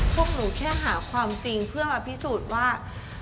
พวกหนูแค่หาความจริงเพื่อมาพิสูจน์ว่า